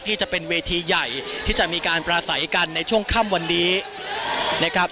จะเป็นเวทีใหญ่ที่จะมีการประสัยกันในช่วงค่ำวันนี้นะครับ